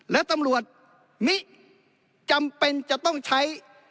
และตำรวจมิจำเป็นจะต้องใช้